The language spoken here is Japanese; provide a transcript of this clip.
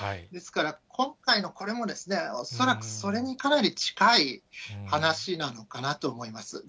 ですから、今回のこれも、恐らく、それにかなり近い話なのかなと思います。